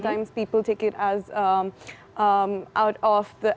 kadang kadang orang menganggap